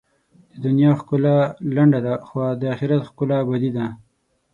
د دنیا ښکلا لنډه ده، خو د آخرت ښکلا ابدي ده.